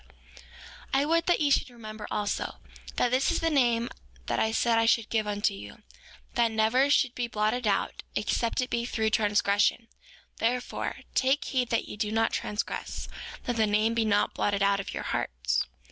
5:11 And I would that ye should remember also, that this is the name that I said I should give unto you that never should be blotted out, except it be through transgression; therefore, take heed that ye do not transgress, that the name be not blotted out of your hearts.